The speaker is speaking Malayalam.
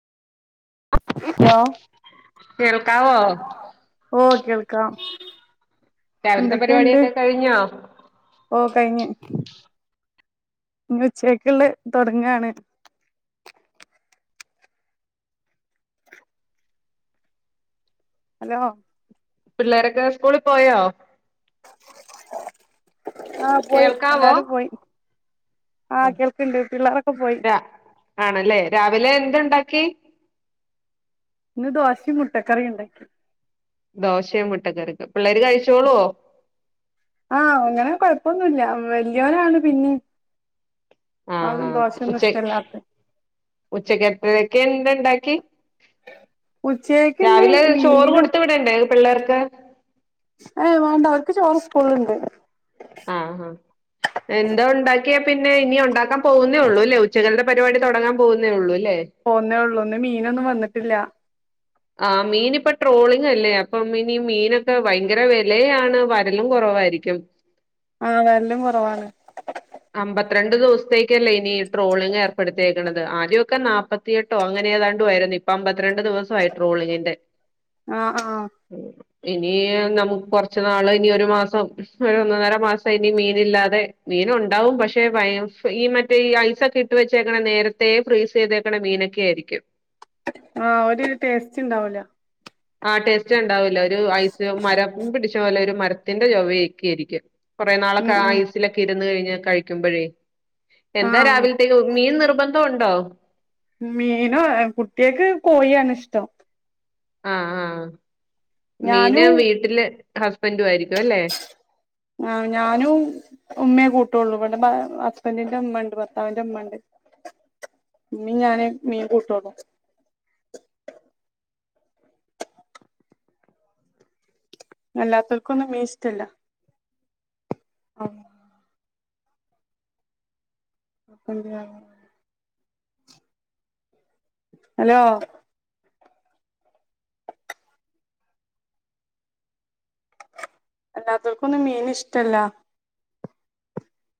ഹലോ കേൽക്കാവോ? ഓ കേൾക്കാം രാവിലത്തെ എന്തൊക്കെയുണ്ട്? പരിപാടിയൊക്കെ കഴിഞ്ഞോ ഓ കഴിഞ്ഞ് നി ഉച്ചക്കുള്ളെ തൊടങ്ങാണ്. ഹലോ പിള്ളാരൊക്കെ സ്കൂളിപ്പോയോ? ആഹ് പോയി കേൾക്കാവോ എല്ലാരുംപോയി. ആഹ് കേൾക്ക്ണ്ട് പിള്ളാരൊക്കെപോയി. രാ ആണല്ലേ രാവിലെ എന്ത്‌ണ്ടാക്കി? ഇന്ന് ദോശേം മുട്ടക്കറിണ്ടാക്കി. ദോശയും മുട്ട കറിയൊക്കെ പിള്ളേര് കഴിച്ചോളൊ ആഹ് അങ്ങനെ കൊഴപ്പൊന്നുല്ല വല്ല്യോരാണ് പിന്നീം ആഹ് അതെന്താ ദോശ ഒന്നും ഇഷ്ട്ട ല്ലാത്തെ ഉച്ചക്കലത്തേക്കെന്ത്‌ണ്ടാക്കി ഉച്ചക്ക് ഇന്ന് രാവിലെ ചോറ് മീനും കൊടുത്ത് വിടണ്ടെ പിള്ളേർക്ക് ഏയ് വേണ്ട അവർക്ക് ചോറ് സ്കൂളിലുണ്ട്. ആഹ് ഹാ എന്താ ഉണ്ടാക്കിയാ പിന്നെ ഇനി ഉണ്ടാക്കാൻ പോകുന്നേ ഉള്ളൂല്ലേ ഉച്ചക്കൽത്തെ ത്തെ പരിപാടി തൊടങ്ങാൻ പോകുന്നേ ഉള്ളൂല്ലേ പോന്നേ ഉള്ളൂ ഇന്ന് മീനൊന്നും വന്നിട്ടില്ല. ആഹ് മീനിപ്പ ട്രോളിംങ്ങല്ലേ അപ്പം ഇനി മീനൊക്കെ ഭയങ്കര വെലയാണ് വരലും കൊറവായിരിക്കും. ആഹ് വരലും കൊറവാണ്. അമ്പത്തിരണ്ട് ദിവസത്തേക്കല്ലേ ഇനി ട്രോളിങ്ങ് ഏർപ്പെടുത്തിയേക്കണത് ആദ്യൊക്കെ നാപ്പ - ത്തിയെട്ടൊ അങ്ങനേ താണ്ടുവാ യിരുന്നു ഇപ്പ അമ്പത്തിരണ്ട് ദിവസായി ട്രോളിങ്ങിന്റെ ആഹ് ആഹ് ഉം ഇനി നമുക്ക് കൊറച്ച് നാള് ഇനി ഒരു മാസം ഒരു ഒന്നന്നര മാസം ഇനി മീനില്ലാതെ മീന് ഒണ്ടാവും പക്ഷെ ഈ മറ്റേ ഈ ഐസൊക്കെ ഇട്ട് വെച്ചേക്കണ നേരത്തേ ഫ്രീ സ് ചെയ്തേക്കണ മീനൊക്കെയിരിക്കും. ആഹ് ഒരു ടേസ്റ്റ് ഉണ്ടാവൂല. ആഹ് ടേസ്റ്റ് ഉണ്ടാവില്ല ഒരു ഐസ് മരം പിടിച്ച പോലെ ഒരു മരത്തിന്റെ ചൊവേക്കേരിക്കും. കൊറേ ഉം നാളൊക്കെ ഉം ഐസിലൊക്കെ ഇരുന്ന് കഴിഞ്ഞ കഴിക്കുമ്പൊഴേ ആ എന്താ ആ രാവിലത്തേ ക്ക് മീൻ നിർബന്ധം ഉണ്ടോ? മീനോ കുട്ടികക്ക് കോഴിയാണ് ഇഷ്ട്ടം. ആഹ് ആഹ് മീന് ഞാനും വീട്ടില് ഹസ്ബന്റു ആയിരിക്കുംല്ലേ ആഹ് ഞാനും ഉമ്മയെ കൂട്ടുള്ളൂ ഇവിടെ ഹസ്ബൻഡിന്റെ ഉമ്മണ്ട് ഭർത്താവിന്റെ ഉമ്മണ്ട് ഇമ്മീ ഞാനും മീൻ കൂട്ടൊള്ളു. അല്ലാത്തോൽക്കൊന്നും മീൻ ഇസ്ടല്ല. ആഹ് [inaudible] ഹലോ അല്ലാത്തോൽക്കൊന്നും മീൻ ഇഷ്ടല്ല.